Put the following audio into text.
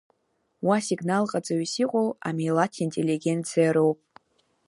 Уа сигнал ҟаҵаҩыс иҟоу амилаҭ интеллигенциа роуп.